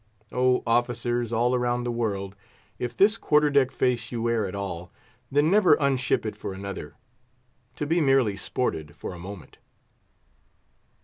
Oh officers! all round the world, if this quarter deck face you wear at all, then never unship it for another, to be merely sported for a moment.